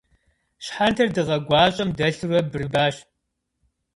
Щхьэнтэр дыгъэ гуащӏэм дэлъурэ бырыбащ.